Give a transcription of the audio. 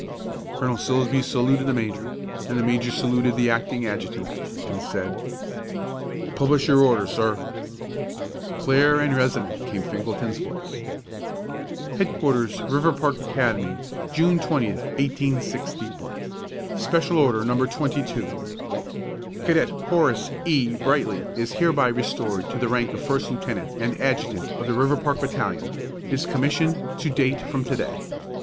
Colonel Silsbee saluted the major, and the major saluted the acting adjutant, and said, "Publish your Order, sir." Clear and resonant came Finkelton's voice: HEADQUARTERS, RIVERPARK ACADEMY. June 20, 186 . SPECIAL ORDER, NO. 22. Cadet Horace E. Brightly is hereby restored to the rank of First Lieutenant and Adjutant of the Riverpark Battalion, his commission to date from to day.